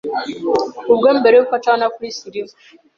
ubwe mbere yuko acana kuri silver. ”